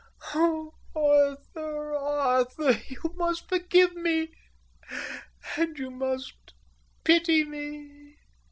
Oh, Arthur, Arthur, you must forgive me. And you must pity me."